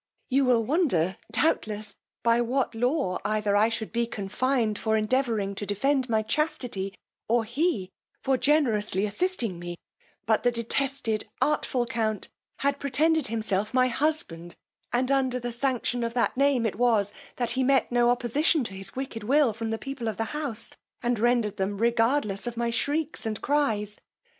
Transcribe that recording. You will wonder, doubtless, by what law either I should be confined for endeavouring to defend my chastity, or he, for generously assisting me; but the detested artful count had pretended himself my husband; and under the sanction of that name it was, that he met no opposition to his wicked will from the people of the house, and rendered them regardless of my shrieks and cries.